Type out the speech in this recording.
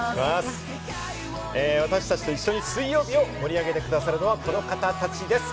私たちと一緒に水曜日を盛り上げてくださるのは、この方たちです。